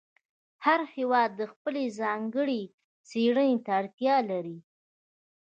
هر هېواد خپلې ځانګړې څېړنې ته اړتیا لري.